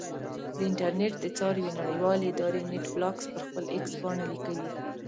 د انټرنېټ د څار یوې نړیوالې ادارې نېټ بلاکس پر خپل ایکس پاڼه لیکلي.